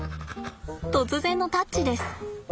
突然のタッチです。